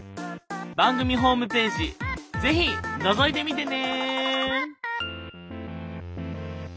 番組ホームページ是非のぞいてみてね。